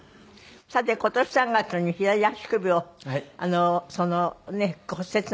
さて今年３月に左足首を骨折なすった。